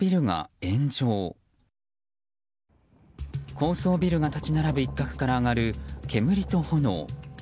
高層ビルが立ち並ぶ一角から上がる煙と炎。